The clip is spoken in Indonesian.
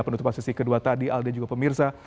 penutupan sesi kedua tadi aldi juga pemirsa